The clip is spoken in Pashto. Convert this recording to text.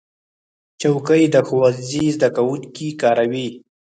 چوکۍ د ښوونځي زده کوونکي کاروي.